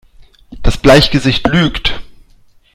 Das Bleichgesicht lügt!